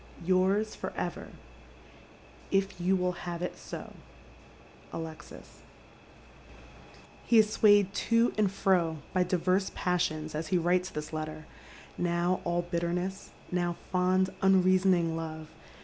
— Yours for ever, if you will have it so, — Alexis," He is swayed to and fro by diverse passions as he writes this letter, now all bitterness, now fond unreasoning love.